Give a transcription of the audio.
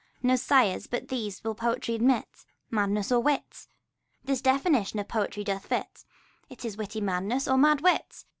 No sires but these will poetry admit : Madness or wit. This definition poetry doth fit : It is witty madness, or mad wit.